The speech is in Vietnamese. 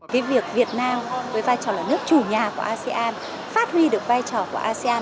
cái việc việt nam với vai trò là nước chủ nhà của asean phát huy được vai trò của asean